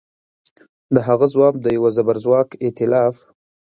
د هغه ځواب د یوه زبرځواک ایتلاف